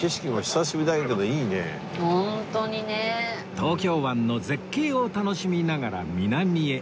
東京湾の絶景を楽しみながら南へ